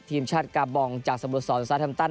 ทีมชาติกาบองของสมุทรศรสต์ธันตัน